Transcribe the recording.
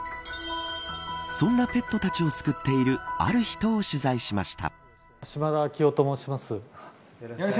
そんなペットたちを救っているある人を取材しました。